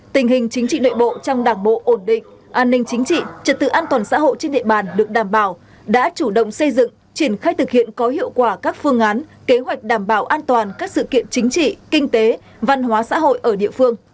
tình hình chính trị nội bộ trong đảng bộ ổn định an ninh chính trị trật tự an toàn xã hội trên địa bàn được đảm bảo đã chủ động xây dựng triển khai thực hiện có hiệu quả các phương án kế hoạch đảm bảo an toàn các sự kiện chính trị kinh tế văn hóa xã hội ở địa phương